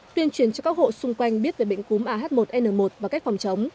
tuyên truyền cho các hộ xung quanh biết về bệnh cúm ah một n một và cách phòng chống